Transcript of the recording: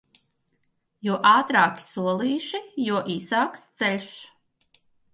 Jo ātrāki solīši, jo īsāks ceļš.